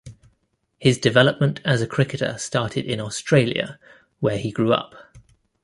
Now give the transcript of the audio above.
His development as a cricketer started in Australia, where he grew up.